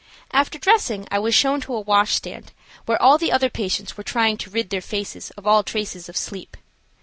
After dressing I was shown to a washstand, where all the other patients were trying to rid their faces of all traces of sleep.